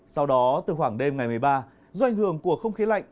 sau đó từ khoảng đêm ngày một mươi ba do ảnh hưởng của không khí lạnh